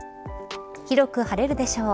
広く晴れるでしょう。